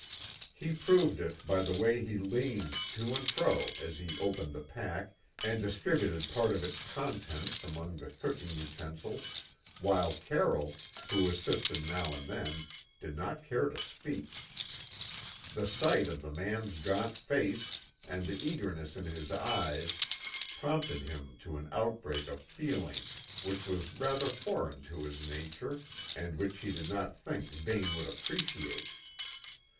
He proved it by the way he leaned to and fro as he opened the pack and distributed part of its contents among the cooking utensils, while Carroll, who assisted now and then, did not care to speak. The sight of the man's gaunt face and the eagerness in his eyes prompted him to an outbreak of feeling which was rather foreign to his nature and which he did not think Vane would appreciate.